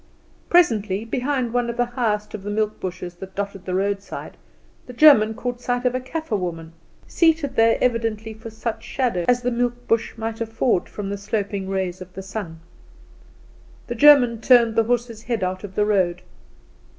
Presently, behind one of the highest of the milk bushes that dotted the roadside, the German caught sight of a Kaffer woman, seated there evidently for such shadow as the milk bush might afford from the sloping rays of the sun. The German turned the horse's head out of the road.